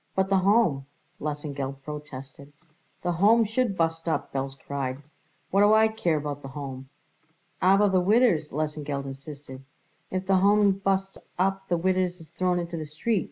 "But the Home," Lesengeld protested. "The Home should bust up," Belz cried. "What do I care about the Home?" "Aber the widders?" Lesengeld insisted. "If the Home busts up the widders is thrown into the street.